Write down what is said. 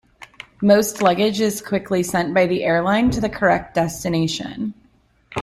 Most lost luggage is quickly sent by the airline to the correct destination.